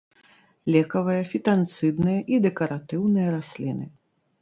Лекавыя, фітанцыдныя і дэкаратыўныя расліны.